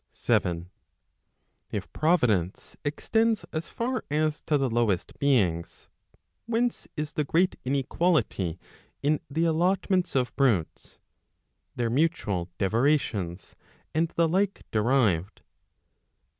7. If Providence extends as far as to the lowest beings, whence is the great inequality in the allotments of brutes, their mutual devolutions, and the like, derived